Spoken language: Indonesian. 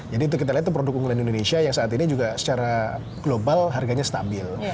jadi itu kita lihat produk unggulan di indonesia yang saat ini juga secara global harganya stabil